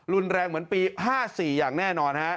รุนแรงเหมือนปี๕๔อย่างแน่นอนฮะ